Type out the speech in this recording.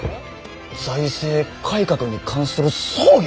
「財政改革に関する奏議」。